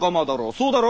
そうだろ？